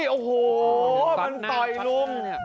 โอ้โหมันต่อยลุง